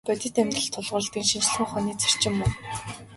Бодит байдалд тулгуурладаг нь шинжлэх ухааны зарчим мөн.